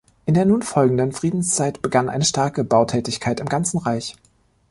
In der nun folgenden Friedenszeit begann eine starke Bautätigkeit im ganzen Reich.